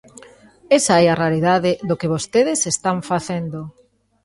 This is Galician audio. Esa é a realidade do que vostedes están facendo.